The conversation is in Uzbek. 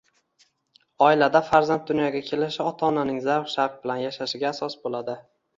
Oilada farzand dunyoga kelishi ota-onaning zavq-shavq bilan yashashiga asos bo‘ladi.